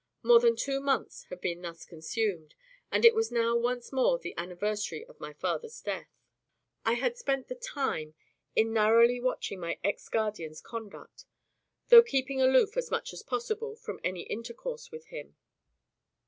More than two months had been thus consumed, and it was now once more the anniversary of my father's death. I had spent the time in narrowly watching my ex guardian's conduct, though keeping aloof, as much as possible, from any intercourse with him.